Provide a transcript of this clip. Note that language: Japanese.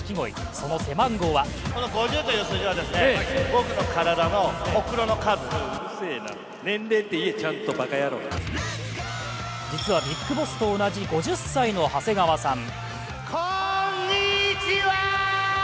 その背番号は実はＢＩＧＢＯＳＳと同じ５０歳の長谷川さん。